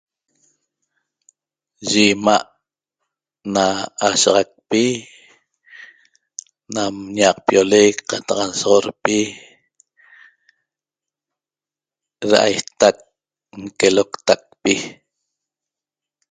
Ye ima' na ashaxacpi nam ñaqpiolec qataq nsoxorpi ra'aestac nqueloctacpi